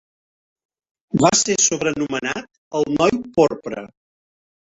Va ser sobrenomenat "el noi porpra".